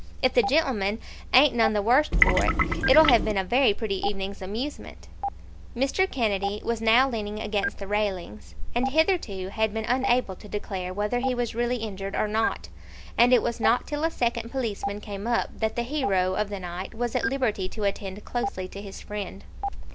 "If the gen'leman ain't none the worst for it, it'll have been a very pretty evening's amusement." Mr. Kennedy was now leaning against the railings, and hitherto had been unable to declare whether he was really injured or not, and it was not till a second policeman came up that the hero of the night was at liberty to attend closely to his friend.